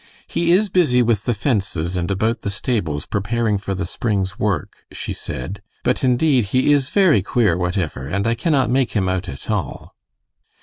"He is busy with the fences and about the stables preparing for the spring's work," she said; "but, indeed, he is very queer whatever, and I cannot make him out at all."